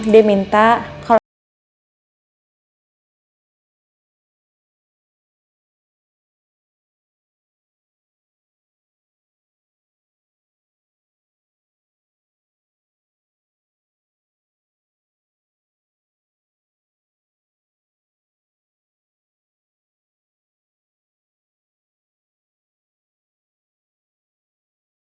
dia minta kalo